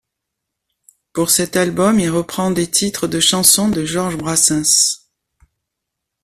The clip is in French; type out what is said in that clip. Pour cet album il reprend des titres de chansons de Georges Brassens.